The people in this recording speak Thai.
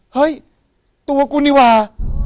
เฮ้ยตัวกูนี่ว่า